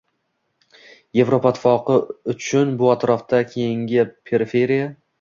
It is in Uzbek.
Evropa Ittifoqi uchun bu atrofdan keyingi periferiya